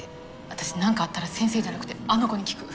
私何かあったら先生じゃなくてあの子に聞く。